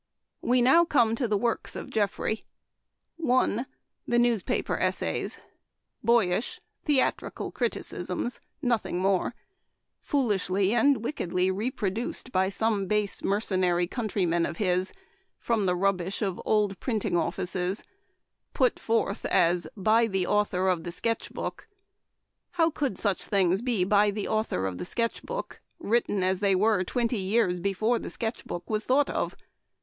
" We come now to the works of Geoffrey :" I. The Newspaper Essays. — Boyish, theatrical criticisms, nothing more ; foolishly and wickedly 138 Memoir of Washington Irving. reproduced by some base, mercenary country man of his, from the rubbish of old printing offi ces, put forth as ' by the AutJwr of the Sketch Book! How could such things be * by the Au thor of the Sketch Book/ written, as they were, twenty years before the Sketch Book was thought of